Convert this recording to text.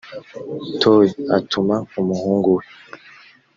toyi atuma umuhungu we